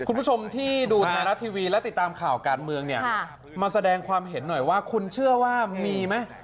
คุณผู้ชมที่ดูไทยรัฐทีวีและติดตามข่าวการเมืองเนี่ยมาแสดงความเห็นหน่อยว่าคุณเชื่อว่ามีไหม